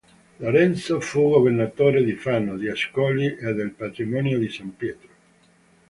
Lorenzo fu governatore di Fano, di Ascoli e del Patrimonio di San Pietro.